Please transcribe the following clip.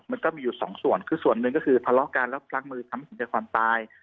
มันก็มีอยู่สองส่วนคือส่วนหนึ่งก็คือทะเลาะกันแล้วพลั้งมือทำให้ถึงแก่ความตาย